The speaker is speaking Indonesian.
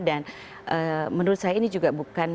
dan menurut saya ini juga bukan